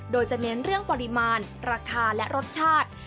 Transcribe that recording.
โดยจะเน้นเรื่องปริมาณราคาและรสชาติ